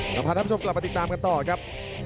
กำพันทัพผู้ชมกลับมาติดตามกันต่อครับ